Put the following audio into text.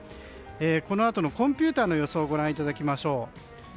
このあとのコンピューターの予想をご覧いただきましょう。